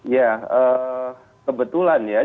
ya kebetulan ya